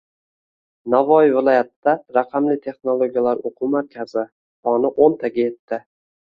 Navoiy viloyatida “Raqamli texnologiyalar o‘quv markazi” soni o‘ntaga yetding